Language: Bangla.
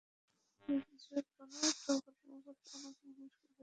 ফলে যেকোনো দুর্ঘটনায় একত্রে অনেক মানুষকে বের করে আনা সম্ভব হবে না।